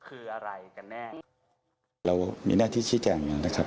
เรามีหน้าที่ชี้แจงอย่างนั้นนะครับ